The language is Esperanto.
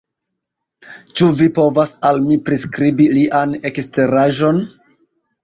Ĉu vi povas al mi priskribi lian eksteraĵon?